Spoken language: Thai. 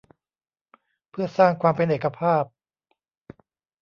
เพื่อสร้างความเป็นเอกภาพ